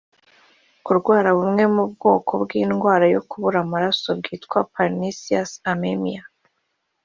Kurwara bumwe mu kwoko bw’indwara yo kubura amaraso bwitwa Pernicious amemia;